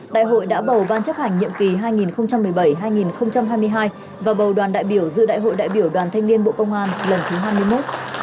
đại biểu dự đại hội đại biểu đoàn thanh niên bộ công an lần thứ hai mươi một